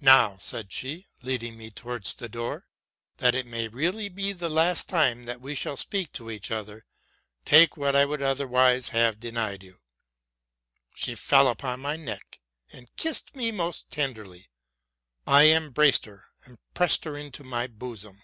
't Now,'' said she, leading me towards the door, '' that it may really be the last time that we shall speak to each other, take what I would otherwise have denied you.'' She fell upon my neck, and kissed me most tenderly. I embraced her, and pressed her to my bosom.